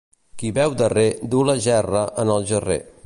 Qui beu darrer duu la gerra en el gerrer.